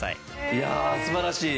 いや素晴らしい。